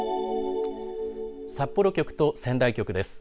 札幌局と仙台局です。